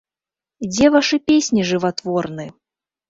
Дзе вашы песні жыватворны?